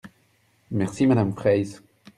Merci, madame Fraysse.